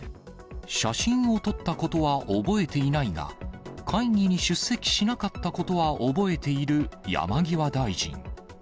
写真を撮ったことは覚えていないが、会議に出席しなかったことは覚えている山際大臣。